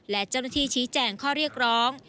และเจ้าหน้าที่ชี้แจงข้อเรียกร้อง